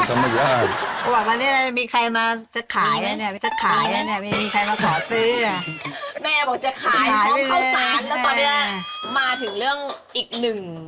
ตอนนี้มาถึงเรื่องอีกหนึ่ง